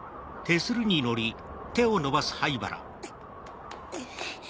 うっ。